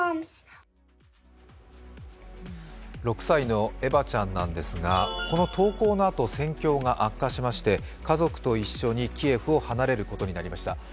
６歳のエバちゃんなんですがこの投稿のあと戦況が悪化しまして、家族と一緒にキエフを離れることになりました。